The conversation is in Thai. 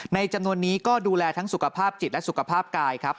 จำนวนนี้ก็ดูแลทั้งสุขภาพจิตและสุขภาพกายครับ